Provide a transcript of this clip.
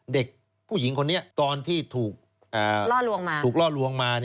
เด็กผู้หญิงคนนี้ตอนที่ถูกล่อลวงมา